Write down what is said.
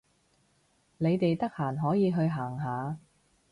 你哋得閒可以去行下